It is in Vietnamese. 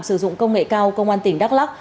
sử dụng công nghệ cao công an tỉnh đắk lắc